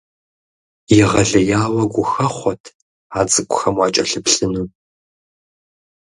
Егъэлеяуэ гухэхъуэт а цӏыкӏухэм уакӏэлъыплъыну!